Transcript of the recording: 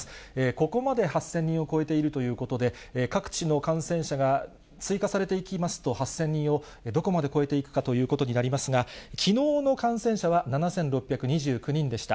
ここまで８０００人を超えているということで、各地の感染者が追加されていきますと、８０００人をどこまで超えていくかということになりますが、きのうの感染者は７６２９人でした。